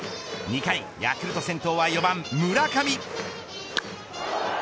２回ヤクルト先頭は４番村上。